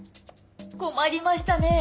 困りましたねえ